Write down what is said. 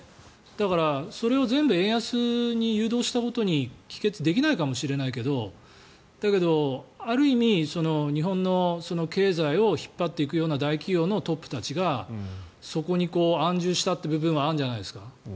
だから、それを全部円安に誘導したことに帰結できないかもしれないけどだけど、ある意味日本の経済を引っ張っていくような大企業のトップたちがそこに安住したという部分はあるんじゃないですか。